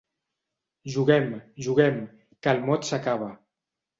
Juguem, juguem, que el mot s'acaba.